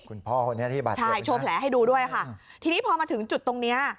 คุณพ่อคนนี้พี่บัจเทียบคุณค่ะตอนนี้พอมาถึงจุดนี้